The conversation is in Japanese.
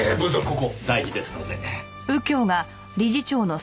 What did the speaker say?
ここ大事ですので。